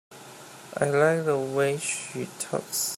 I like the way she talks.